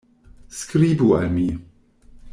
Skribu al mi!